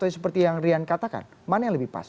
seperti yang rian katakan mana yang lebih pas